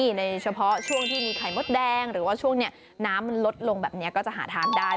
ในเฉพาะช่วงที่มีไข่มดแดงหรือว่าช่วงนี้น้ำมันลดลงแบบนี้ก็จะหาทานได้